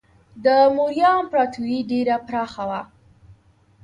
د موریا امپراتوري ډیره پراخه وه.